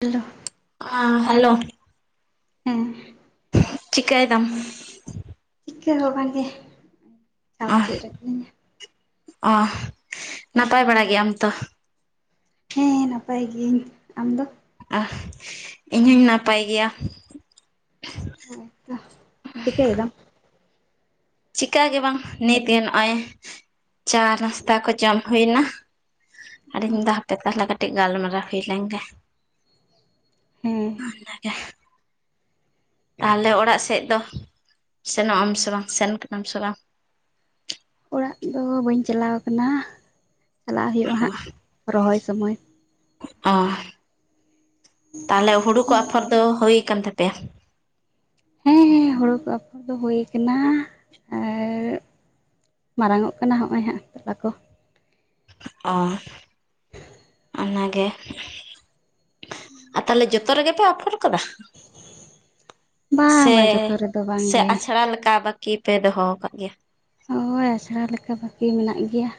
Hello ᱟᱸ hello. ᱦᱮᱸ ᱪᱤᱠᱟᱹᱭ ᱫᱟᱢ᱾ ᱪᱤᱠᱟᱹ ᱦᱚ ᱵᱟ ᱜᱮ ᱪᱷᱟᱫ ᱥᱮᱫ ᱨᱮ ᱢᱤᱱᱤᱧᱟ᱾ ᱟ ᱱᱟᱯᱟᱭ ᱵᱟᱲᱟ ᱜᱮᱭᱟᱢ ᱛᱚ᱾ ᱦᱮᱸ ᱱᱟᱯᱟᱭ ᱜᱤᱭᱟᱹᱧ ᱟᱢᱫᱚ᱾ ᱟ ᱤᱧ ᱦᱩᱸᱧ ᱱᱟᱯᱟᱭ ᱜᱮᱭᱟ᱾ ᱦᱳᱭᱛᱚ ᱪᱤᱠᱟᱹᱭ ᱮᱫᱟᱢ᱾ ᱪᱤᱠᱟ ᱜᱮ ᱵᱟᱝ ᱱᱤᱛᱜᱮ ᱱᱚᱜ-ᱚᱭ ᱪᱟ ᱱᱟᱥᱛᱟ ᱠᱚ ᱡᱚᱢ ᱦᱩᱭᱮᱱᱟ᱾ ᱟᱨᱤᱧ ᱢᱮᱱ ᱫᱟ ᱦᱟᱯᱮ ᱛᱟᱦᱞᱮ ᱠᱟᱴᱤᱡ ᱜᱟᱞᱢᱟᱨᱟ ᱦᱩᱭ ᱞᱮᱱᱜᱮ᱾ ᱦᱮᱸ ᱚᱱ-ᱱᱟᱜᱮ᱾ ᱛᱟᱦᱞᱮ ᱚᱲᱟᱜ ᱥᱮᱫ ᱫᱚ ᱥᱮᱱᱚᱜ ᱟᱢ ᱥᱮ ᱵᱟᱝ ᱥᱮᱱ ᱠᱟᱱᱟᱢ ᱥᱮ ᱵᱟᱝ᱾ ᱚᱲᱟᱜ ᱫᱚ ᱵᱟᱹᱧ ᱪᱟᱞᱟᱣ ᱠᱟᱱᱟ ᱪᱟᱞᱟᱜ ᱦᱳᱭᱳᱜᱼᱟ ᱦᱟᱸᱜ ᱨᱚᱦᱚᱭ ᱥᱚᱢᱚᱭ᱾ ᱚ ᱛᱟᱦᱞᱮ ᱦᱩᱲᱩ ᱠᱚ ᱟᱯᱷᱚᱨ ᱫᱚ ᱦᱩᱭ ᱟᱠᱟᱱ ᱛᱟᱯᱮᱭᱟ᱾ ᱦᱮᱸ ᱦᱮᱸ ᱦᱳᱲᱳ ᱠᱚ ᱟᱯᱷᱚᱨ ᱫᱚ ᱦᱳᱭ ᱠᱟᱱᱟ ᱟᱨ ᱢᱟᱨᱟᱝ-ᱚᱜ ᱠᱟᱱᱟ ᱦᱚᱜ-ᱚᱭ ᱦᱟᱸᱜ ᱛᱚᱞᱟ ᱠᱚ᱾ ᱚ᱾ ᱚᱱᱟᱜᱮ ᱟᱨ ᱛᱟᱦᱞᱮ ᱡᱚᱛᱚ ᱨᱮᱜᱮ ᱯᱮ ᱟᱯᱷᱚᱨ ᱠᱟᱫᱟ᱾ ᱵᱟᱝ ᱥᱮ ᱵᱟᱝ ᱡᱚᱛᱚ ᱨᱮᱫᱚ ᱥᱮ ᱵᱟᱝᱜᱮ ᱟᱪᱷᱲᱟ ᱞᱮᱠᱟ ᱵᱟᱠᱤ ᱯᱮ ᱫᱚᱦᱚᱣ ᱠᱟᱜ ᱜᱮᱭᱟ᱾ ᱦᱳᱭ ᱟᱥᱲᱟ ᱞᱮᱠᱟ ᱵᱟᱠᱤ ᱢᱮᱱᱟᱜ ᱜᱮᱭᱟ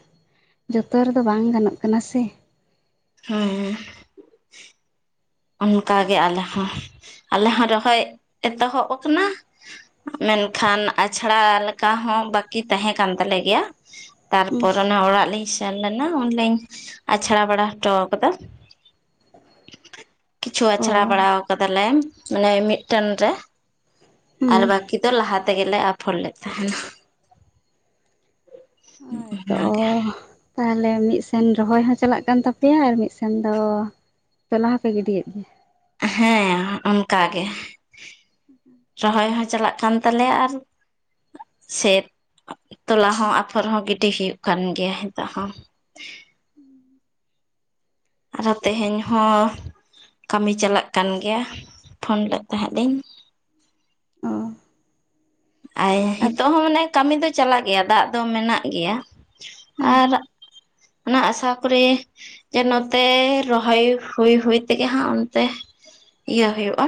ᱡᱚᱛᱚ ᱨᱮᱫᱚ ᱵᱟᱝ ᱜᱟᱱᱚᱜ ᱠᱟᱱᱟ ᱥᱮ᱾ ᱦᱮᱸ᱾ ᱚᱱᱠᱟ ᱜᱮ ᱟᱞᱮ ᱦᱚᱸ ᱟᱞᱮ ᱦᱚᱸ ᱨᱚᱦᱚᱭ ᱮᱛᱚᱦᱚᱵ ᱠᱟᱱᱟ᱾ ᱢᱮᱱᱠᱷᱟᱱ ᱟᱪᱷᱲᱟ ᱞᱮᱠᱟ ᱦᱚᱸ ᱵᱟᱠᱤ ᱛᱟᱸᱦᱮ ᱠᱟᱱ ᱛᱟᱞᱮ ᱜᱮᱭᱟ᱾ ᱦᱩᱸ ᱛᱟᱨᱯᱚᱨ ᱚᱱᱟ ᱚᱲᱟᱜ ᱞᱤᱧ ᱥᱮᱱ ᱞᱮᱱᱟ ᱩᱱᱞᱤᱧ ᱟᱪᱷᱲᱟ ᱵᱟᱲᱟ ᱦᱚᱴᱚᱣ ᱠᱟᱫᱟ᱾ ᱠᱤᱪᱷᱩ ᱚ ᱟᱪᱷᱲᱟ ᱵᱟᱲᱟᱣ ᱠᱟᱫᱟᱞᱮ ᱢᱟᱱᱮ ᱢᱤᱜᱴᱮᱱ ᱨᱮ᱾ ᱦᱩᱸ ᱟᱨ ᱵᱟᱹᱠᱤ ᱫᱚ ᱞᱟᱦᱟ ᱛᱮᱜᱮ ᱞᱮ ᱟᱯᱷᱚᱨ ᱞᱮᱫ ᱛᱟᱦᱮᱱᱟ᱾ ᱩᱸ ᱚᱱᱟᱜᱮ᱾ ᱛᱟᱦᱞᱮ ᱢᱤᱜᱥᱮᱱ ᱨᱚᱦᱚᱭ ᱦᱚᱸ ᱪᱟᱞᱟᱜ ᱠᱟᱱ ᱛᱟᱯᱮᱭᱟ ᱟᱨ ᱢᱤᱜᱥᱮᱱ ᱫᱚ᱾ ᱛᱚᱞᱟ ᱦᱚᱸ ᱯᱮ ᱜᱤᱰᱤᱭᱮᱫ ᱜᱮᱭᱟ᱾ ᱦᱮᱸ ᱚᱱᱠᱟ ᱜᱮ᱾ [inaudible] ᱨᱚᱦᱚᱭ ᱦᱚᱸ ᱪᱟᱞᱟᱜ ᱠᱟᱱ ᱛᱟᱞᱮᱭᱟ ᱟᱨ᱾ ᱥᱮᱛ ᱛᱚᱞᱟ ᱦᱚᱸ ᱟᱯᱷᱚᱨ ᱦᱚᱸ ᱜᱤᱰᱤ ᱦᱩᱭᱩᱜ ᱠᱟᱱ ᱜᱮᱭᱟ ᱦᱤᱛᱳᱜ ᱦᱚᱸ᱾ ᱟᱨ ᱛᱮᱦᱮᱧ ᱦᱚᱸ ᱠᱟᱢᱤ ᱪᱟᱞᱟᱜ ᱠᱟᱱ ᱜᱮᱭᱟ ᱯᱷᱳᱱ ᱞᱮᱫ ᱛᱟᱦᱮᱸᱜ ᱞᱤᱧ᱾ ᱚ ᱟᱭ ᱟᱫ ᱦᱤᱛᱚᱜ ᱦᱚᱸ ᱢᱟᱱᱮ ᱠᱟᱢᱤ ᱫᱚ ᱪᱟᱞᱟᱜ ᱜᱮᱭᱟ ᱫᱟᱜ ᱫᱚ ᱢᱮᱱᱟᱜ ᱜᱮᱭᱟ ᱦᱮᱸ ᱟᱨ᱾ ᱚᱱᱟ ᱟᱥᱟ ᱠᱚᱨᱮ᱾ ᱡᱮ ᱱᱚᱛᱮ ᱨᱚᱦᱚᱭ ᱦᱩᱭ ᱦᱩᱭ ᱛᱮᱜᱮ ᱦᱟᱸᱜ ᱚᱱᱛᱮ᱾ ᱤᱭᱟᱹ ᱦᱳᱭᱳᱜᱼᱟ᱾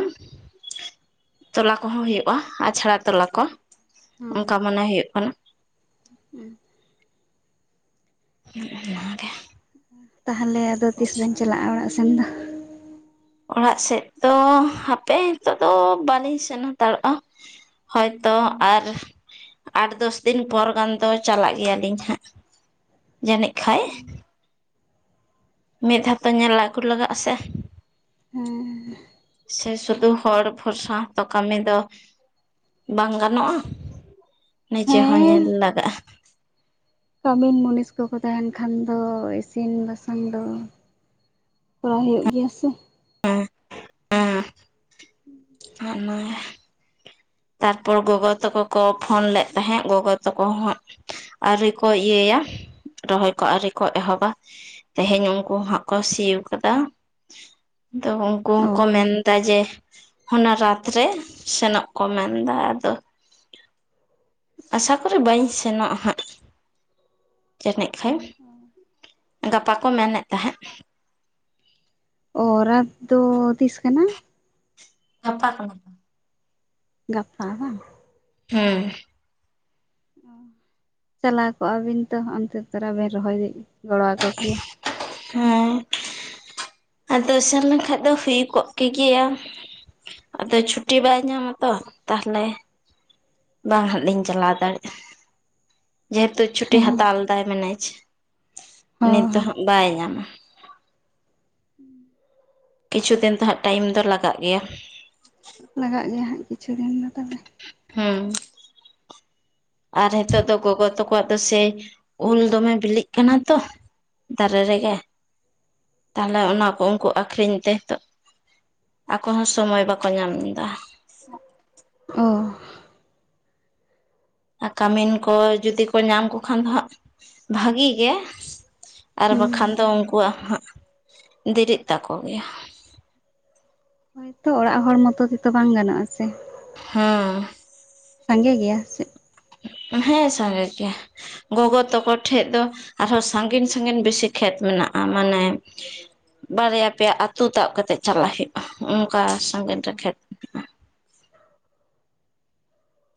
ᱛᱚᱞᱟ ᱠᱚᱦᱚᱸ ᱦᱳᱭᱳᱜ-ᱟ ᱟᱪᱷᱲᱟ ᱛᱚᱞᱟ ᱠᱚ ᱦᱚᱸ ᱚᱱᱠᱟ ᱢᱚᱱᱮ ᱦᱳᱭᱳᱜ ᱠᱟᱱᱟ᱾ [inaudible] ᱛᱟᱦᱞᱮ ᱟᱫᱚ ᱛᱤᱥ ᱵᱮᱱ ᱪᱟᱞᱟᱜᱼᱟ ᱚᱲᱟᱜ ᱥᱮᱱ ᱫᱚ᱾ ᱚᱲᱟᱜ ᱥᱮᱜ ᱫᱚ ᱦᱟᱯᱮ ᱦᱤᱛᱳᱜ ᱫᱚ ᱵᱟᱞᱤᱧ ᱥᱮᱱ ᱦᱟᱛᱟᱲᱚᱜᱼᱟ᱾ ᱦᱚᱭᱛᱚ ᱟᱨ᱾ ᱟᱴ ᱫᱚᱥ ᱫᱤᱱ ᱯᱚᱨ ᱜᱟᱱ ᱫᱚ ᱪᱟᱞᱟᱜ ᱜᱮᱭᱟᱞᱤᱧ ᱦᱟᱸᱜ ᱡᱟᱱᱤᱡ ᱠᱷᱟᱭ᱾ ᱢᱤᱫ ᱫᱷᱟ ᱛᱚ ᱧᱮᱞ ᱟᱜᱩ ᱞᱟᱜᱟᱜ-ᱟ ᱥᱮ᱾ ᱥᱮ ᱥᱩᱫᱷᱩ ᱦᱚᱲ ᱵᱷᱚᱨᱥᱟ ᱦᱚᱸᱛᱚ ᱠᱟᱢᱤ ᱫᱚ᱾ ᱵᱟᱝ ᱜᱟᱱᱚᱜᱼᱟ ᱱᱤᱡᱮ ᱦᱚᱸ ᱦᱮᱸ ᱧᱮᱞ ᱞᱟᱜᱟᱜᱼᱟ ᱠᱟᱹᱢᱤᱱ ᱢᱩᱱᱤᱥ ᱠᱚᱠᱚ ᱛᱟᱦᱮᱱ ᱠᱷᱟᱱ ᱫᱚ ᱤᱥᱤᱱ ᱵᱟᱥᱟᱝ ᱫᱚ ᱠᱚᱨᱟᱣ ᱦᱩᱭᱩᱜ ᱜᱮᱭᱟ ᱥᱮ ᱦᱮᱸ ᱦᱮᱸ [unintelligible] ᱛᱟᱨᱯᱚᱨ ᱜᱚᱜᱚ ᱛᱟᱠᱚ ᱠᱚ ᱯᱷᱳᱱ ᱞᱮᱫ ᱛᱟᱦᱮᱸᱜ ᱜᱚᱜᱚ ᱛᱟᱠᱚ ᱦᱚᱸ ᱦᱟᱸᱜ ᱟᱹᱣᱨᱤ ᱠᱚ ᱤᱭᱟᱹᱭᱟ ᱨᱚᱦᱚᱭ ᱠᱚ ᱟᱹᱨᱤ ᱠᱚ ᱮᱦᱚᱵᱟ ᱛᱮᱦᱮᱧ ᱩᱱᱠᱩ ᱦᱚᱸ ᱦᱟᱸᱜ ᱠᱚ ᱥᱤᱣ ᱠᱟᱫᱟ ᱛᱚ ᱠᱩ ᱦᱚᱸ ᱚ ᱠᱚ ᱢᱮᱱᱫᱟ ᱡᱮ ᱚᱱᱟ ᱨᱟᱛ ᱨᱮ ᱥᱮᱱᱚᱜ ᱠᱚ ᱢᱮᱱᱫᱟ ᱟᱫᱚ ᱟᱥᱟ ᱠᱚᱨᱤ ᱵᱟᱹᱧ ᱥᱮᱱᱚᱜ-ᱟ ᱦᱟᱸᱜ ᱡᱟᱹᱱᱤᱡ ᱠᱷᱟᱡ [inaudible] ᱜᱟᱯᱟ ᱠᱚ ᱢᱮᱱᱮᱫ ᱛᱟᱦᱮᱸᱫ ᱚ ᱨᱟᱛ ᱫᱚ ᱛᱤᱥ ᱠᱟᱱᱟ? ᱜᱟᱯᱟ ᱠᱟᱱᱟ ᱜᱟᱯᱟ ᱵᱟᱝ ᱦᱮᱸ ᱪᱟᱞᱟᱣ ᱠᱚᱜᱼᱟ ᱵᱤᱱ ᱛᱚ ᱚᱱᱛᱮ ᱛᱚᱨᱟ ᱵᱤᱱ ᱨᱚᱦᱚᱭ ᱜᱚᱲᱚᱣᱟᱠᱚ ᱠᱮᱭᱟ ᱦᱮᱸ ᱟᱫᱚ ᱥᱮᱱ ᱞᱮᱱᱠᱷᱟᱡ ᱫᱚ ᱦᱩᱭ ᱠᱚᱜ ᱠᱮᱜᱮᱭᱟ ᱟᱫᱚ ᱪᱷᱩᱴᱤ ᱵᱟᱭ ᱧᱟᱢ ᱟᱛᱚ ᱛᱟᱦᱞᱮ ᱵᱟᱝ ᱦᱟᱸᱜ ᱞᱤᱧ ᱪᱟᱞᱟᱣ ᱫᱟᱲᱮᱜᱼᱟ ᱡᱮᱦᱮᱛᱩ ᱪᱷᱩᱴᱤ ᱦᱮᱸ ᱦᱟᱛᱟᱣ ᱞᱮᱫᱟᱭ ᱢᱮᱱᱮᱡ ᱱᱤᱛ ᱫᱚ ᱦᱚᱸ ᱦᱟᱸᱜ ᱵᱟᱭ ᱧᱟᱢᱟ [inaudible] ᱠᱤᱪᱷᱩ ᱫᱤᱱ ᱫᱚ ᱦᱟᱸᱜ ᱴᱟᱭᱤᱢ ᱫᱚ ᱞᱟᱜᱟᱜ ᱜᱮᱭᱟ ᱞᱟᱜᱟᱜ ᱜᱮᱭᱟ ᱦᱟᱸᱜ ᱠᱤᱪᱷᱩ ᱫᱤᱱ ᱫᱚ ᱛᱚᱵᱮ ᱦᱩᱸ ᱟᱨ ᱦᱮᱛᱳᱜ ᱫᱚ ᱜᱚᱜᱚ ᱛᱟᱠᱚᱣᱟᱜ ᱫᱚ ᱥᱮᱭ ᱩᱞ ᱫᱚᱢᱮ ᱵᱤᱞᱤᱜ ᱠᱟᱱᱟ ᱛᱚ ᱫᱟᱨᱮ ᱨᱮᱜᱮ ᱛᱟᱦᱚᱞᱮ ᱚᱱᱟ ᱠᱚ ᱩᱱᱠᱩ ᱟᱠᱠᱷᱨᱤᱧ ᱛᱮ ᱦᱤᱛᱚᱜ ᱟᱠᱚ ᱦᱚᱸ ᱥᱚᱢᱚᱭ ᱵᱟᱠᱚ ᱧᱟᱢ ᱮᱫᱟ ᱚ ᱟᱨ ᱠᱟᱢᱤᱱ ᱠᱚ ᱡᱩᱫᱤ ᱠᱚ ᱧᱟᱢ ᱠᱚ ᱠᱷᱟᱱ ᱫᱚ ᱦᱟᱸᱜ ᱵᱷᱟᱹᱜᱤ ᱜᱮ ᱟᱨ ᱦᱩᱸ ᱵᱟᱠᱷᱟᱱ ᱫᱚ ᱩᱱᱠᱩᱣᱟᱜ ᱦᱚᱸ ᱦᱟᱸᱜ ᱫᱮᱨᱤᱜ ᱛᱟᱠᱚ ᱜᱮᱭᱟ ᱦᱳᱭᱛᱚ ᱚᱲᱟᱜ ᱦᱚᱲ ᱢᱚᱛᱚ ᱛᱮᱛᱚ ᱵᱟᱝ ᱜᱟᱱᱚᱜᱼᱟ ᱥᱮ ᱦᱩᱸ ᱥᱟᱸᱜᱮ ᱜᱮᱭᱟ ᱥᱮ ᱦᱮᱸ ᱥᱟᱸᱜᱮ ᱜᱮᱭᱟ ᱜᱚᱜᱚ ᱛᱟᱠᱚ ᱴᱷᱮᱡ ᱫᱚ ᱟᱨᱦᱚᱸ ᱥᱟᱺᱜᱤᱧ ᱥᱟᱺᱜᱤᱧ ᱵᱮᱥᱤ ᱠᱷᱮᱛ ᱢᱮᱱᱟᱜᱼᱟ ᱢᱟᱱᱮ ᱵᱟᱨᱭᱟ ᱯᱮᱭᱟ ᱟᱹᱛᱩ ᱛᱟᱵ ᱠᱟᱛᱮᱜ ᱪᱟᱞᱟᱜ ᱦᱩᱭᱩᱜᱼᱟ ᱚᱱᱠᱟ ᱥᱟᱺᱜᱤᱧ ᱨᱮ ᱠᱷᱮᱛ ᱢᱮᱱᱟᱜᱼᱟ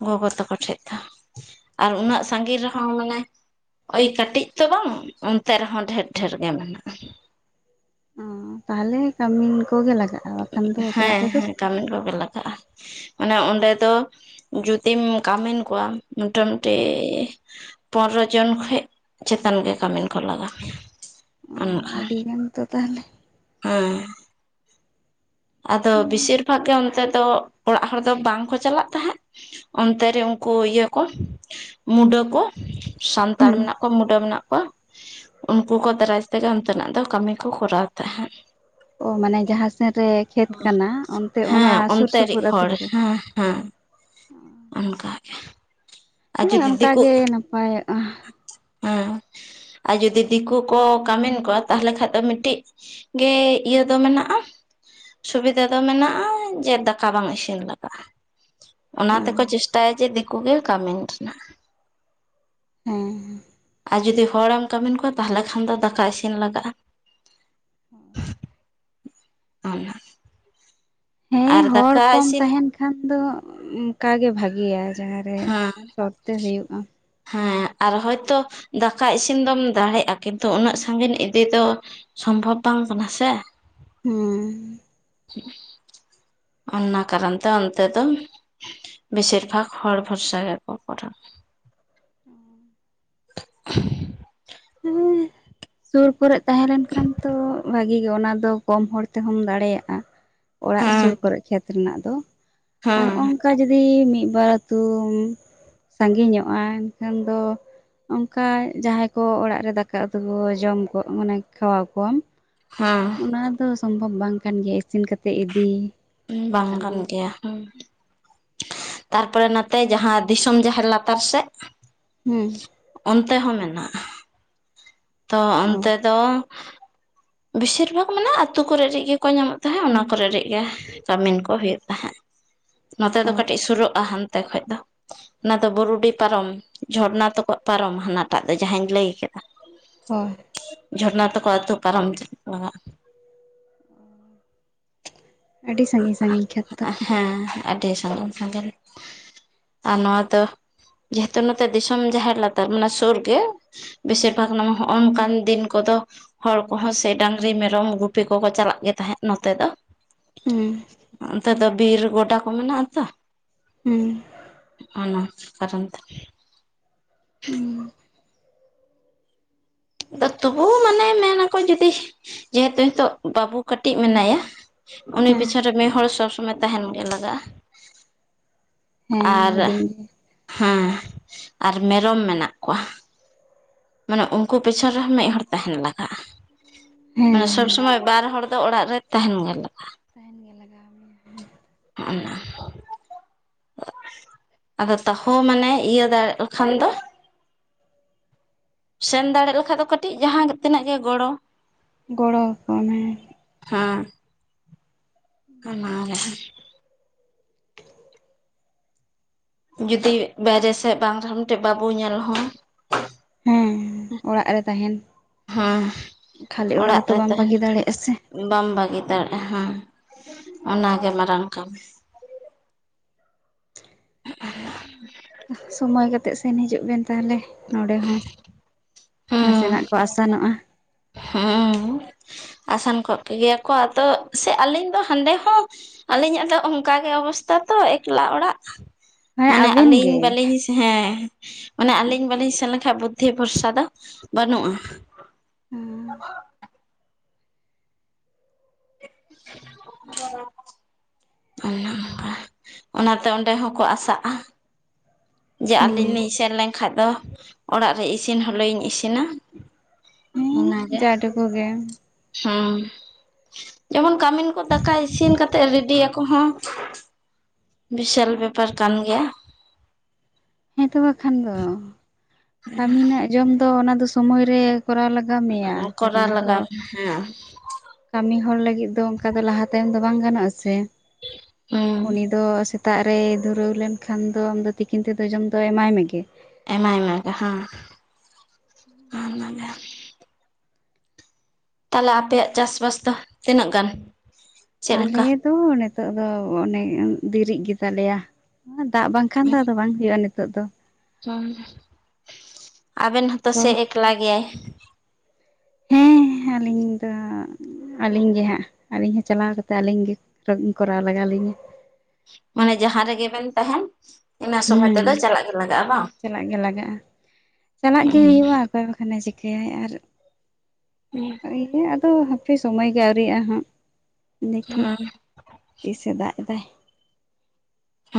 ᱜᱚᱜᱚ ᱛᱟᱠᱚ ᱴᱷᱮᱡ ᱫᱚ ᱟᱨ ᱩᱱᱟᱹᱜ ᱥᱟᱺᱜᱤᱧ ᱨᱮᱦᱚᱸ ᱢᱟᱱᱮ ᱳᱭ ᱠᱟᱹᱴᱤᱡ ᱛᱚ ᱵᱟᱝ ᱚᱱᱛᱮ ᱨᱮᱦᱚᱸ ᱰᱷᱮᱨ ᱰᱷᱮᱨ ᱜᱮ ᱢᱮᱱᱟᱜᱼᱟ ᱚ ᱛᱟᱦᱚᱞᱮ ᱠᱟᱹᱢᱤᱱ ᱠᱚᱜᱮ ᱞᱟᱜᱟᱜᱼᱟ ᱵᱟᱠᱷᱟᱱ ᱫᱚ ᱮᱠᱞᱟ ᱦᱮᱸ ᱛᱮᱫᱚ ᱦᱮᱸ ᱠᱟᱹᱢᱤᱱ ᱠᱚᱜᱮ ᱞᱟᱜᱟᱜᱼᱟ ᱢᱟᱱᱮ ᱚᱸᱰᱮ ᱫᱚ ᱡᱩᱫᱤᱢ ᱠᱟᱹᱢᱤᱱ ᱠᱚᱣᱟ ᱢᱳᱴᱟᱢᱩᱴᱤ ᱯᱚᱱᱨᱚ ᱡᱚᱱ ᱠᱷᱚᱡ ᱪᱮᱛᱟᱱ ᱜᱮ ᱠᱟᱹᱢᱤᱱ ᱠᱚ ᱞᱟᱜᱟ ᱢᱮᱭᱟ ᱟᱹᱰᱤᱜᱟᱱ ᱛᱚ ᱛᱟᱦᱞᱮ᱾ ᱦᱩᱸ ᱟᱫᱚ ᱵᱤᱥᱮᱨ ᱵᱷᱟᱜᱽ ᱜᱮ ᱚᱱᱛᱮ ᱫᱚ ᱚᱲᱟᱜ ᱦᱚᱲ ᱫᱚ ᱵᱟᱝᱠᱚ ᱪᱟᱞᱟᱜ ᱛᱟᱦᱮᱸᱫ ᱾ ᱚᱱᱛᱮ ᱨᱮ ᱩᱱᱠᱩ ᱤᱭᱟᱹ ᱠᱚ ᱢᱩᱰᱟᱹ ᱠᱚ ᱥᱟᱱᱛᱟᱲ ᱦᱩᱸ ᱢᱮᱱᱟᱜ ᱠᱚ ᱢᱩᱰᱟᱹ ᱢᱮᱱᱟᱜ ᱠᱚᱣᱟ, ᱩᱱᱠᱩ ᱠᱚ ᱫᱟᱨᱟᱭ ᱛᱮᱜᱮ ᱚᱱᱛᱮᱱᱟᱜ ᱫᱚ ᱠᱟᱹᱢᱤ ᱠᱚ ᱠᱚᱨᱟᱣ ᱛᱟᱦᱮᱸᱫ ᱾ ᱚ ᱢᱟᱱᱮ ᱡᱟᱦᱟᱸᱥᱮᱱ ᱨᱮ ᱠᱷᱮᱛ ᱠᱟᱱᱟ ᱚᱱᱛᱮ ᱚᱱᱟ ᱦᱮᱸ ᱥᱩᱨ ᱥᱩᱯᱩᱨ ᱚᱱᱛᱮᱨᱤᱡ ᱟᱹᱛᱩ ᱦᱚᱲ ᱠᱚᱨᱮ? ᱦᱮᱸ ᱦᱮᱸ ᱚᱱᱠᱟᱜᱮ ᱟᱨ ᱦᱮᱸ ᱚᱱᱮ ᱡᱩᱫᱤ ᱚᱱᱠᱟ ᱫᱤᱠᱩ ᱜᱮ ᱱᱟᱯᱟᱭᱚᱜᱼᱟ᱾ ᱦᱮᱸ ᱟᱨ ᱡᱩᱫᱤ ᱫᱤᱠᱩ ᱠᱚ ᱠᱟᱹᱢᱤᱱ ᱠᱚᱣᱟ ᱛᱟᱦᱞᱮ ᱠᱷᱟᱱ ᱫᱚ ᱢᱤᱫᱴᱤᱡ ᱜᱮ ᱤᱭᱟᱹ ᱫᱚ ᱢᱮᱱᱟᱜᱼᱟ᱾ ᱥᱩᱵᱤᱫᱷᱟ ᱫᱚ ᱢᱮᱱᱟᱜᱼᱟ ᱡᱮ ᱫᱟᱠᱟ ᱵᱟᱝ ᱤᱥᱤᱱ ᱞᱟᱜᱟᱜᱼᱟ᱾ ᱚᱱᱟ ᱛᱮᱠᱚ ᱪᱮᱥᱴᱟᱭᱟ ᱡᱮ ᱫᱤᱠᱩ ᱜᱮ ᱠᱟᱢᱤᱱᱴ ᱨᱮᱱᱟᱜ ᱾ ᱦᱮᱸ ᱟᱨ ᱡᱩᱫᱤ ᱦᱚᱲᱮᱢ ᱠᱟᱹᱢᱤᱱ ᱠᱚᱣᱟ ᱛᱟᱦᱚᱞᱮ ᱠᱷᱟᱱ ᱫᱚ ᱫᱟᱠᱟ ᱤᱥᱤᱱ ᱞᱟᱜᱟᱜᱼᱟ ᱾ ᱚᱱᱟ ᱦᱮᱸ ᱟᱨ ᱦᱚᱲ ᱫᱟᱠᱟ ᱠᱚᱢ ᱤᱥᱤᱱ ᱛᱟᱦᱮᱱ ᱠᱷᱟᱱ ᱫᱚ ᱚᱱᱠᱟ ᱜᱮ ᱵᱷᱟᱜᱤᱭᱟ ᱡᱟᱦᱟᱸ ᱨᱮ ᱦᱮᱸ ᱥᱚᱴ ᱛᱮ ᱦᱩᱭᱩᱜ ᱢᱟ ᱾ ᱦᱮᱸ ᱟᱨ ᱦᱚᱭᱛᱳ ᱫᱟᱠᱟ ᱤᱥᱤᱱ ᱫᱚᱢ ᱫᱟᱲᱮᱜᱼᱟ ᱠᱤᱱᱛᱩ ᱩᱱᱟᱹᱜ ᱥᱟᱺᱜᱤᱧ ᱤᱫᱤ ᱫᱚ ᱥᱚᱢᱵᱷᱚᱵᱽ ᱵᱟᱝ ᱠᱟᱱᱟ ᱥᱮ᱾ ᱦᱮᱸ ᱴᱷᱤᱠ [unintelligible] ᱚᱱᱟ ᱠᱟᱨᱚᱱ ᱛᱮ ᱚᱱᱛᱮ ᱫᱚ ᱵᱮᱥᱤᱨ ᱵᱷᱟᱜᱽ ᱦᱚᱲ ᱵᱷᱚᱨᱥᱟ ᱜᱮᱠᱚ ᱠᱚᱨᱟᱣᱼᱟ ᱾ [inaudible] ᱥᱩᱨ ᱠᱚᱨᱮᱜ ᱛᱟᱦᱮᱸ ᱞᱮᱱᱠᱷᱟᱱ ᱛᱚ ᱵᱷᱟᱜᱤ ᱜᱮ ᱚᱱᱟ ᱫᱚ ᱠᱚᱢ ᱦᱚᱲ ᱛᱮᱦᱚᱢ ᱫᱟᱲᱮᱭᱟᱜᱼᱟ᱾ ᱚᱲᱟᱜ ᱥᱩᱨ ᱦᱮᱸ ᱠᱚᱨᱮ ᱠᱷᱮᱛ ᱨᱮᱱᱟᱜ ᱫᱚ ᱾ [inaudible] ᱚᱱᱠᱟ ᱡᱩᱫᱤ ᱢᱤᱫ ᱵᱟᱨ ᱟᱹᱛᱩᱢ ᱥᱟᱺᱜᱤᱧᱚᱜᱼᱟ ᱮᱱᱠᱷᱟᱱ ᱫᱚ ᱚᱱᱠᱟ ᱡᱟᱦᱟᱸᱭ ᱠᱚ ᱚᱲᱟᱜ ᱨᱮ ᱫᱟᱠᱟ ᱩᱛᱩ ᱠᱷᱚᱡᱽ ᱡᱚᱢ ᱠᱚ ᱢᱟᱱᱮ ᱠᱷᱟᱣᱟᱣ ᱠᱚᱣᱟᱢ ᱦᱮᱸ ᱚᱱᱟ ᱫᱚ ᱥᱚᱢᱵᱷᱚᱵᱽ ᱵᱟᱝ ᱠᱟᱱ ᱜᱮᱭᱟ ᱤᱥᱤᱱ ᱠᱟᱛᱮ ᱤᱫᱤ, ᱟᱹᱜᱩ᱾ ᱦᱩᱸ ᱛᱟᱨᱯᱚᱨᱮ ᱱᱟᱛᱮ ᱡᱟᱦᱟᱸ ᱫᱤᱥᱚᱢ ᱡᱟᱦᱮᱨ ᱞᱟᱛᱟᱨ ᱥᱮᱫ ᱾ ᱦᱩᱸ ᱚᱱᱛᱮ ᱦᱚᱸ ᱢᱮᱱᱟᱜᱼᱟ ᱾ ᱛᱚ ᱚ ᱚᱱᱛᱮ ᱫᱚ ᱵᱮᱥᱤᱨ ᱵᱷᱟᱜᱽ ᱢᱟᱱᱮ ᱟᱹᱛᱩ ᱠᱚ ᱨᱮ ᱜᱮ ᱠᱚ ᱧᱟᱢᱚᱜ ᱛᱟᱦᱮᱸᱫ ᱚᱱᱟ ᱠᱚ ᱨᱮᱜ ᱨᱮᱜ ᱜᱮ᱾ ᱠᱟᱹᱢᱤᱱ ᱠᱚ ᱦᱳᱭᱳᱜ ᱛᱟᱦᱮᱸᱫ ᱱᱚᱛᱮ ᱫᱚ ᱚ ᱠᱟᱹᱴᱤᱡ ᱥᱳᱨᱳᱜᱼᱟ ᱦᱟᱱᱛᱮ ᱠᱷᱚᱱ ᱫᱚ ᱾ ᱚᱱᱟ ᱫᱚ ᱵᱩᱨᱩᱰᱤ ᱯᱟᱨᱚᱢ ᱡᱷᱚᱨᱱᱟ ᱛᱟᱠᱚᱣᱟᱜ ᱯᱟᱨᱚᱢ ᱦᱟᱱᱟᱴᱟᱜ ᱫᱚ ᱡᱟᱦᱟᱸᱧ ᱞᱟᱹᱭ ᱠᱟᱫᱟ᱾ ᱦᱳᱭ ᱡᱷᱚᱨᱱᱟ ᱛᱟᱠᱚᱣᱟᱜ ᱟᱛᱩ ᱯᱟᱨᱚᱢ [inaudible] ᱟᱹᱰᱤ ᱥᱟᱺᱜᱤᱧ ᱥᱟᱺᱜᱤᱧ ᱠᱷᱮ ᱛᱟᱯᱮ ᱾ ᱦᱮᱸ ᱟᱹᱰᱤ ᱥᱟᱺᱜᱤᱧ ᱥᱟᱺᱜᱤᱧ, ᱟᱨ ᱱᱚᱣᱟ ᱫᱚ ᱡᱮᱦᱮᱛᱩ ᱱᱚᱛᱮ ᱫᱤᱥᱚᱢ ᱡᱟᱦᱮᱨ ᱞᱟᱛᱟᱨ ᱢᱟᱱᱮ ᱥᱳᱨ ᱜᱮ ᱾ ᱵᱤᱥᱤᱨ ᱵᱷᱟᱜᱽ ᱱᱚ ᱦᱚᱱᱚᱝᱠᱟᱱ ᱫᱤᱱ ᱠᱚ ᱫᱚ ᱦᱚᱲ ᱠᱚ ᱦᱚᱸ ᱥᱮ ᱰᱟᱝᱨᱤ, ᱢᱮᱨᱚᱢ ᱜᱩᱯᱤ ᱠᱚ ᱠᱚ ᱪᱟᱞᱟᱜ ᱜᱮ ᱛᱟᱦᱮᱸᱫ ᱱᱚᱛᱮ ᱫᱚ᱾ ᱦᱩᱸ ᱚᱱᱛᱮ ᱫᱚ ᱵᱤᱨ ᱜᱚᱰᱟ ᱠᱚ ᱢᱮᱱᱟ-ᱜ ᱟᱛᱚ ᱦᱩᱸ ᱚᱱᱟ ᱠᱟᱨᱚᱱ ᱛᱮ᱾ ᱦᱩᱸ ᱟᱫᱚ ᱛᱚᱵᱩ ᱢᱟᱱᱮ ᱢᱮᱱ ᱟᱠᱚ ᱡᱩᱫᱤ, ᱡᱮᱦᱮᱛᱩ ᱱᱤᱛᱳ-ᱜ ᱵᱟᱹᱵᱩ ᱠᱟᱹᱴᱤᱡ ᱢᱮᱱᱟᱭᱟ᱾ ᱩᱱᱤ ᱦᱮᱸ ᱯᱤᱪᱷᱽᱚᱱ ᱨᱮ ᱢᱤᱫ ᱦᱚᱲ ᱥᱚᱵ ᱥᱳᱢᱳᱭ ᱾ ᱛᱟᱦᱮᱱ ᱜᱮᱸ ᱞᱟᱜᱟᱜᱼᱟ᱾ ᱦᱮᱸ ᱟᱨ ᱦᱩᱰᱤᱧ ᱜᱮ ᱦᱮᱸ ᱟᱨ ᱢᱮᱨᱚᱢ ᱢᱮᱱᱟᱜ ᱠᱚᱣᱟ᱾ ᱢᱟᱱᱮ ᱩᱱᱠᱩ ᱯᱤᱪᱷᱚᱱ ᱨᱮ ᱦᱚᱸ ᱢᱤᱫ ᱦᱚᱲ ᱛᱟᱦᱮᱱ ᱞᱟᱜᱟᱜᱼᱟ᱾ ᱢᱟᱱᱮ ᱦᱮᱸ ᱥᱚᱵᱽ ᱥᱳᱢᱳᱭ, ᱵᱟᱨ ᱦᱚᱲ ᱫᱚ ᱚᱲᱟᱜ ᱨᱮ ᱛᱟᱦᱮᱱ ᱜᱮ ᱞᱟᱜᱟᱜᱼᱟ᱾ ᱛᱟᱦᱮᱱ ᱜᱮ ᱞᱟᱜᱟᱣ ᱢᱮᱭᱟ [unintelligible] ᱟᱫᱚ ᱛᱟᱦᱚᱸ ᱢᱟᱱᱮ ᱤᱭᱟᱹ ᱫᱟᱲᱮ-ᱜ ᱠᱷᱟᱱ ᱫᱚ᱾ ᱥᱮᱱ ᱫᱟᱲᱮ ᱞᱮᱠᱷᱟᱡ ᱫᱚ, ᱠᱟᱹᱴᱤᱡ ᱡᱟᱦᱟᱸ ᱛᱤᱱᱟᱹᱜ ᱜᱮ ᱜᱚᱲᱚᱸ᱾ ᱜᱚᱲᱚ ᱣᱟᱠᱚ ᱢᱮ᱾ ᱦᱮᱸ ᱚᱱᱟᱜᱮ ᱡᱩᱫᱤ ᱵᱟᱭᱨᱮ ᱥᱮᱫ ᱵᱟᱝ ᱨᱮ ᱦᱚᱸ᱾ ᱢᱤᱫ ᱴᱮᱡ ᱵᱟᱵᱩ ᱧᱮᱞ ᱦᱚᱸ᱾ ᱦᱮᱸ ᱚᱲᱟᱜ ᱨᱮ ᱛᱟᱦᱮᱱ ᱦᱮᱸ ᱠᱷᱟᱹᱞᱤ ᱚᱲᱟᱜ ᱦᱚᱸᱛᱚ ᱨᱮ ᱵᱟᱢ ᱛᱟᱦᱮᱱ᱾ ᱵᱟᱹᱜᱤ ᱫᱟᱲᱮᱭᱟᱜᱼᱟ ᱥᱮ ᱵᱟᱢ ᱵᱟᱹᱜᱤ ᱫᱟᱲᱮᱜᱼᱟ᱾ ᱦᱮᱸ ᱚᱱᱟ ᱜᱮ ᱢᱟᱨᱟᱝ ᱠᱟᱹᱢᱤ᱾ [unintelligible] ᱥᱳᱢᱳᱭ ᱠᱟᱛᱮᱜ ᱥᱮᱱ ᱦᱤᱡᱩᱜ ᱵᱤᱱ ᱛᱟᱦᱚᱞᱮ᱾ ᱱᱚᱰᱮ ᱦᱚᱸ᱾ ᱱᱟᱥᱮᱱᱟ-ᱜ ᱦᱩᱸ ᱠᱚ ᱟᱥᱟᱱᱚᱜᱼᱟ᱾ ᱦᱩᱸ ᱟᱥᱟᱱ ᱠᱚᱜ ᱠᱜᱮᱭᱟ ᱠᱚ᱾ ᱟᱫᱚ ᱥᱮ ᱟᱹᱞᱤᱧ ᱫᱚ ᱦᱟᱸᱰᱮ ᱦᱚᱸ᱾ ᱟᱹᱞᱤᱧ ᱟᱜ ᱫᱚ ᱚᱱᱠᱟ ᱜᱮ ᱚᱵᱚᱥᱛᱷᱟ ᱛᱚ, ᱮᱠᱞᱟ ᱚᱲᱟ-ᱜ ᱦᱮᱸ ᱢᱟᱱᱮ ᱟᱵᱮᱱ ᱟᱹᱞᱤᱧ ᱜᱮ ᱵᱟᱹᱞᱤᱧ ᱦᱮᱸ ᱢᱟᱱᱮ ᱟᱹᱞᱤᱧ ᱵᱟᱹᱞᱤᱧ ᱥᱮᱱ ᱞᱮᱱᱠᱷᱟᱱ᱾ ᱵᱩᱫᱽᱫᱷᱤ ᱵᱷᱚᱨᱥᱟ ᱫᱚ ᱵᱟᱹᱱᱩᱜᱼᱟ᱾ [unintelligible] ᱚᱱᱟᱵᱟ ᱚᱱᱟᱛᱮ ᱚᱸᱰᱮ ᱦᱚᱸ ᱠᱚ ᱟᱥᱟᱜᱼᱟ᱾ ᱡᱮ ᱟᱹᱞᱤᱧ ᱦᱩᱸ ᱞᱤᱧ ᱥᱮᱱ ᱞᱮᱱᱠᱷᱟᱡ ᱫᱚ᱾ ᱚᱲᱟᱜ ᱨᱮ ᱤᱥᱤᱱ ᱦᱚᱞᱮᱭᱳ ᱤᱧ ᱤᱥᱤᱱᱟ᱾ ᱦᱮᱸ ᱚᱱᱟ ᱜᱮ ᱡᱟ ᱴᱩᱠᱩ ᱜᱮ ᱦᱩᱸ ᱡᱮᱢᱚᱱ ᱠᱟᱹᱢᱤᱱ ᱠᱚ ᱫᱟᱠᱟ ᱤᱥᱤᱱ ᱠᱟᱛᱮᱫ ᱨᱮᱰᱤᱸᱭᱟᱠᱚ ᱦᱚᱸ ᱵᱤᱥᱟᱞ ᱵᱮᱯᱟᱨ ᱠᱟᱱ ᱜᱮᱭᱟ ᱦᱮᱸ ᱛᱚ ᱵᱟᱠᱷᱟᱱ ᱫᱚ ᱾ ᱠᱟᱹᱢᱤᱱᱟ-ᱜ ᱡᱚᱢ ᱫᱚ ᱚᱱᱟ ᱫᱚ ᱥᱳᱢᱳᱭ ᱨᱮ, ᱠᱚᱨᱟᱣ ᱞᱟᱠ ᱠᱟᱹᱢᱤᱭᱟ ᱠᱟᱨᱚᱱ ᱠᱚᱨᱟᱣ ᱫᱚ ᱞᱟᱜᱟᱣ ᱦᱮᱸ ᱠᱟᱹᱢᱤ ᱦᱚᱲ ᱞᱟᱹᱜᱤᱫ ᱫᱚ᱾ ᱚᱱᱠᱟ ᱫᱚ ᱞᱟᱦᱟ ᱛᱟᱭᱚᱢ ᱫᱚ ᱵᱟᱝ ᱜᱟᱱᱚᱜ-ᱟ ᱥᱮ᱾ ᱦᱩᱸ ᱩᱱᱤ ᱫᱚ ᱥᱮᱛ ᱛᱟᱜ ᱨᱮᱭ ᱫᱷᱽᱩᱨᱟᱹᱣ ᱞᱮᱱᱠᱷᱟᱱ ᱫᱚ᱾ ᱟᱢ ᱫᱚ ᱛᱤᱠᱤᱱ ᱛᱮ ᱫᱚ, ᱡᱚᱢ ᱫᱚ ᱮᱢᱟᱭ ᱢᱮ ᱜᱮ᱾ ᱮᱢᱟᱭ ᱢᱮ ᱜᱮ ᱦᱮᱸ᱾ ᱚᱱᱟ ᱜᱮ ᱛᱟᱦᱚᱞᱮ ᱟᱯᱮᱭᱟ-ᱜ ᱪᱟᱥ ᱵᱟᱥ ᱫᱚ ᱛᱤᱱᱟᱹᱜ ᱜᱟᱱ? ᱪᱮᱫ ᱟᱞᱮ ᱞᱮᱠᱟ? ᱫᱚ ᱱᱤᱛᱚᱜ ᱫᱚ ᱚᱱᱮ ᱫᱤᱨᱤᱜ ᱜᱮᱛᱟ ᱞᱮᱭᱟ᱾ ᱫᱟᱜ ᱵᱟᱝ ᱠᱷᱟᱱ ᱫᱚ ᱵᱟᱝ ᱦᱳᱭᱳᱜᱼᱟ᱾ ᱱᱤᱛᱳᱜ ᱫᱚ᱾ ᱦᱩᱸ ᱟᱵᱮᱱ ᱛᱚᱞᱟ ᱦᱚᱸ ᱛᱚ ᱥᱮ ᱠᱚ ᱮᱠᱞᱟ ᱜᱮᱭᱟᱭ᱾ ᱦᱮᱸ ᱟᱹᱞᱤᱧ ᱫᱚ ᱼᱼ ᱟᱹᱞᱤᱧ ᱜᱮ ᱦᱟᱸᱜ᱾ ᱟᱹᱞᱤᱧ ᱦᱚᱸ ᱪᱟᱞᱟᱣ ᱠᱟᱛᱮᱫ ᱟᱹᱞᱤᱧ ᱜᱮ ᱠᱚᱨᱟᱣ ᱞᱟᱜᱟᱣ ᱞᱤᱧᱟ। ᱢᱟᱱᱮ ᱡᱟᱦᱟᱸ ᱨᱮᱜᱮ ᱵᱮᱱ ᱛᱟᱦᱮᱱ᱾ ᱤᱱᱟᱹ ᱥᱚᱢᱚᱭ ᱦᱮᱸ ᱛᱮᱫᱚ ᱪᱟᱞᱟᱜ ᱜᱮ ᱞᱟᱜᱟᱜᱼᱟ ᱵᱟᱝ? ᱪᱟᱞᱟᱜ ᱜᱮ ᱞᱟᱜᱟ-ᱜᱼᱟ᱾ ᱪᱟᱞᱟ-ᱜ ᱜᱮ ᱦᱮᱸ ᱦᱩᱭᱩᱜᱼᱟ। ᱚᱠᱟ [unintelligible] ᱵᱟᱠᱷᱟᱱᱮ ᱪᱤᱠᱟᱹᱭᱟᱭ ᱟᱨ ᱼᱼ ᱦᱮᱸ ᱤᱭᱟᱹ ᱜᱮ ᱟᱫᱚ ᱦᱟᱯᱮ ᱥᱚᱢᱚᱭ ᱜᱮ ᱟᱹᱣᱨᱤᱜᱼᱟ᱾ ᱦᱟᱸᱜ ᱫᱮᱠᱷᱤ ᱦᱮᱸ ᱛᱤᱥᱮ ᱫᱟᱜ ᱮᱫᱟᱭ,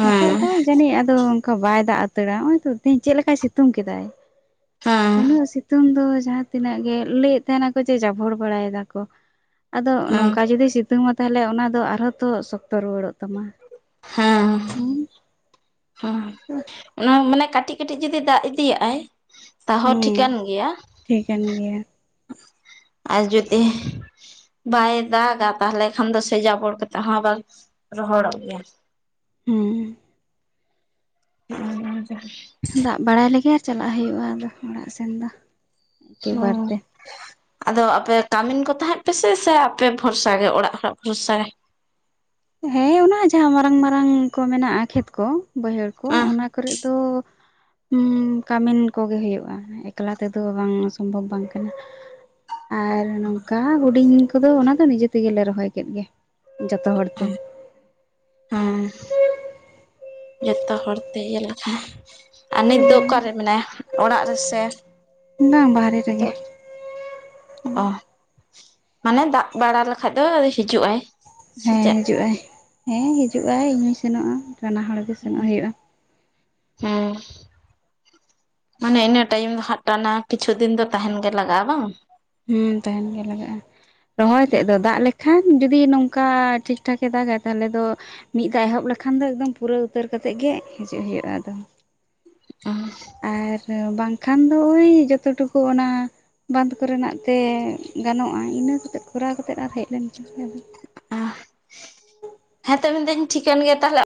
ᱱᱤᱛᱚᱜ ᱫᱚ ᱡᱟᱹᱱᱤᱡ ᱟᱫᱚ ᱚᱱᱠᱟ ᱵᱟᱭ ᱫᱟᱜ ᱩᱛᱟᱹᱨᱟ, ᱱᱚᱜ-ᱚᱭ ᱛᱚ ᱛᱮᱦᱤᱧ ᱪᱮᱫ ᱞᱮᱠᱟᱭ ᱥᱤᱛᱩᱝ ᱠᱮᱫᱟᱭ, ᱦᱮᱸ ᱩᱱᱟᱹᱜ ᱥᱤᱛᱩᱝ ᱫᱚ ᱡᱟᱦᱟᱸ ᱛᱤᱱᱟᱹᱜ ᱜᱮ ᱞᱟᱹᱭᱮᱫ ᱛᱟᱦᱮᱱᱟᱠᱚ ᱡᱮ ᱡᱟᱵᱷᱚᱲ ᱵᱟᱲᱟᱭ ᱫᱟᱠᱚ, ᱟᱫᱚ ᱱᱚᱝᱠᱟ ᱡᱩᱫᱤ ᱥᱤ ᱥᱤᱛᱩᱝᱟ ᱛᱟᱦᱟᱞᱮ ᱚᱱᱟ ᱫᱚ ᱟᱨᱦᱚᱸ ᱛᱚ ᱥᱚᱠᱛᱚ ᱨᱩᱣᱟᱹᱲᱚᱜ ᱛᱟᱢᱟ। ᱦᱮᱸ ᱦᱩᱸ ᱦᱚᱸ ᱚᱱᱟ ᱢᱟᱱᱮ ᱠᱟᱹᱴᱤᱡ ᱠᱟᱹᱴᱤᱡ ᱡᱩᱫᱤ ᱫᱟᱜ ᱤᱫᱤᱭᱟᱜᱼᱟᱭ ᱛᱟᱦᱚ ᱦᱮᱸ ᱴᱷᱤᱠᱟᱹᱱ ᱜᱮᱭᱟ᱾ ᱴᱷᱤᱠᱟᱹᱱ ᱜᱮᱭᱟ ᱟᱨ ᱡᱩᱫᱤ ᱵᱟᱭ ᱫᱟᱜᱟ ᱛᱟᱦᱟᱞᱮ ᱠᱷᱟᱱ ᱫᱚ ᱥᱮ ᱡᱟᱵᱚᱲ ᱠᱟᱛᱮᱫ ᱦᱚᱸ ᱟᱵᱟᱨ ᱨᱚᱦᱚᱲᱚᱜ ᱜᱮᱭᱟ। ᱦᱮᱸ [unintelligible] ᱫᱟᱜ ᱵᱟᱲᱟᱭ ᱞᱮᱜᱮ ᱪᱟᱞᱟᱜ ᱦᱩᱭᱩᱜᱼᱟ, ᱟᱫᱚ ᱚᱲᱟᱜ ᱥᱮᱱ ᱫᱚ ᱮᱠᱮᱵᱟᱨ ᱛᱮ [unintelligible] ᱟᱫᱚ ᱟᱯᱮ ᱠᱟᱢᱤᱱ ᱠᱚ ᱛᱟᱦᱮᱸᱫ ᱯᱮ ᱥᱮ ᱥᱮ ᱟᱯᱮ ᱵᱷᱚᱨᱥᱟ ᱜᱮ ᱚᱲᱟᱜ ᱦᱚᱲᱟᱜ ᱵᱷᱚᱨᱥᱟ ᱜᱮ? ᱦᱮᱸ ᱚᱱᱟ ᱡᱟᱦᱟᱸ ᱢᱟᱨᱟᱝ ᱢᱟᱨᱟᱝ ᱠᱚ ᱢᱮᱱᱟᱜᱼᱟ ᱠᱷᱮᱛ ᱠᱚ, ᱵᱟᱹᱭᱦᱟᱹᱲ ᱠᱚ ᱚᱸ ᱚᱱᱟ ᱠᱚᱨᱮᱫ ᱫᱚ ᱦᱩᱸᱻ ᱠᱟᱢᱤᱱ ᱠᱚᱜᱮ ᱦᱩᱭᱩᱜᱼᱟ᱾ ᱮᱠᱞᱟ ᱛᱮᱫᱚ ᱵᱟᱝ ᱥᱚᱢᱵᱷᱚᱵᱽ ᱵᱟᱝ ᱠᱟᱱᱟ। [inaudible] ᱟᱨ ᱱᱚᱝᱠᱟ ᱦᱩᱰᱤᱧ ᱠᱚᱫᱚ ᱚᱱᱟ ᱫᱚ ᱱᱤᱡᱮ ᱛᱮᱜᱮᱞᱮ ᱨᱚᱦᱚᱭ ᱠᱮᱫ ᱜᱮ, ᱡᱚᱛᱚ ᱦᱚᱲ [inaudible] [unintelligible] ᱛᱮ ᱡᱚᱛᱚ ᱦᱚᱲᱛᱮ ᱤᱭᱟᱹ ᱞᱮᱠᱷᱟᱱ, ᱟᱨ ᱱᱤᱛ ᱫᱚ ᱚᱠᱟᱨᱮ ᱢᱮᱱᱟᱭᱟ ᱚᱲᱟᱜ ᱨᱮᱥᱮ? ᱵᱟᱝ [unintelligible] [unintelligible] ᱚ ᱢᱟᱱᱮ ᱫᱟᱜ ᱵᱟᱲᱟ ᱞᱮᱠᱷᱟᱡ ᱫᱚ [unintelligible] ᱦᱤᱡᱩᱜᱟᱭ। ᱦᱮᱸ ᱦᱤᱡᱩᱜᱟᱭ, ᱦᱮᱸ ᱦᱤᱡᱩᱜᱟᱭ ᱤᱧ ᱦᱚᱧ ᱥᱮᱱᱚᱜᱼᱟ᱾ ᱵᱟᱱᱟ ᱦᱚᱲ ᱜᱮ ᱥᱮᱱᱚᱜ ᱦᱩᱭᱩᱜᱼᱟ [unintelligible] ᱦᱮᱸ ᱢᱟᱱᱮ ᱤᱱᱟᱹ ᱴᱟᱭᱤᱢ ᱫᱚ ᱦᱟᱸᱜ ᱴᱟᱱᱟ ᱠᱤᱪᱷᱩ ᱫᱤᱱ ᱫᱚ ᱛᱟᱦᱮᱱ ᱜᱮ ᱞᱟᱜᱟᱜᱼᱟ, ᱵᱟᱝ? ᱦᱩᱸ ᱛᱟᱦᱮᱱ ᱜᱮ ᱞᱟᱜᱟᱜᱼᱟ। ᱨᱚᱦᱚᱭ ᱛᱮᱫ ᱫᱚ ᱫᱟᱜ ᱞᱮ ᱠᱷᱟᱱ ᱡᱩᱫᱤ ᱱᱚᱝᱠᱟ ᱴᱷᱤᱠ ᱴᱷᱟᱠᱮ ᱫᱟᱜᱟᱭ ᱛᱟᱦᱚᱞᱮ ᱫᱚ ᱢᱤᱫ ᱫᱷᱟ ᱮᱦᱚᱵ ᱞᱮᱠᱷᱟᱱ ᱫᱚ ᱮᱠᱫᱚᱢ ᱯᱩᱨᱟᱹᱣ ᱩᱛᱟᱹᱨ ᱠᱟᱛᱮᱫ ᱜᱮ ᱦᱤᱡᱩᱜ ᱦᱩᱭᱩᱜᱼᱟ ᱟᱫᱚ। [unintelligible] ᱟᱨ ᱵᱟᱝᱠᱷᱟᱱ ᱫᱚ ᱳᱭ ᱡᱚᱛᱚ ᱴᱩᱠᱩ ᱚᱱᱟ ᱵᱟᱸᱫᱷ ᱠᱚᱨᱮᱱᱟᱜ ᱛᱮ ᱜᱟᱱᱚᱜᱼᱟ, ᱤᱱᱟᱹ ᱠᱚᱛᱮᱫ ᱠᱚᱨᱟᱣ ᱠᱟᱛᱮᱫ ᱟᱨ ᱦᱮᱡ ᱞᱮᱱᱠᱷᱟᱱ ᱜᱮ [unintelligible] ᱟ ᱦᱮᱸᱛᱚ ᱢᱮᱱᱫᱟᱹᱧ ᱴᱷᱤᱠᱟᱹᱱ ᱜᱮᱭᱟ ᱛᱟᱦᱚᱞᱮ